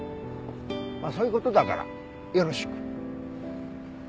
まあそういう事だからよろしく。